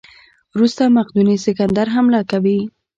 وروسته مقدوني سکندر حمله کوي.